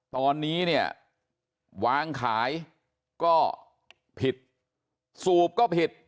ตอนนี้เนี่ยวางขายก็ผิดสูบก็ผิด